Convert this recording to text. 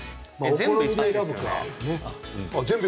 全部いきたいです。